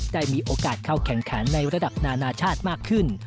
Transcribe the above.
ได้มีโอกาสเข้าแข่งขันในระดับนานาชาติมากขึ้น